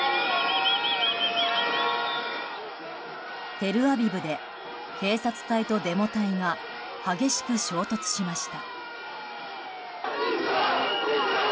テルアビブで、警察隊とデモ隊が激しく衝突しました。